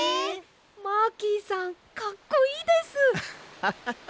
マーキーさんかっこいいです！ハハハ！